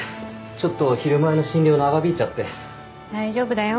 ちょっと昼前の診療長引いちゃって大丈夫だよ